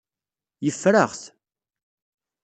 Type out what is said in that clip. Yeffer-aɣ-t.